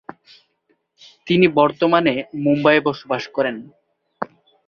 তিনি বর্তমানে মুম্বইয়ে বসবাস করেন।